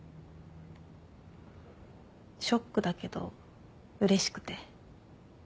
ショックだけどうれしくて。